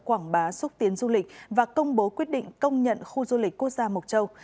quảng bá xúc tiến du lịch và công bố quyết định công nhận khu du lịch quốc gia mộc châu